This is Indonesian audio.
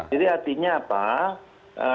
jadi artinya apa